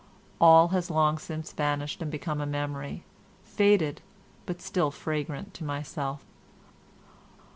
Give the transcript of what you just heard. All has long since vanished and become a memory, faded but still fragrant to myself.